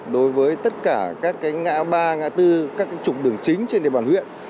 đối với tất cả các ngã ba ngã tư các trục đường chính trên địa bàn huyện